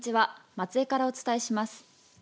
松江からお伝えします。